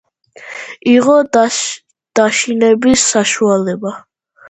იყო დაშინების საშუალება.